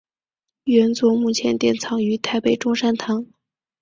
原作目前典藏于台北中山堂。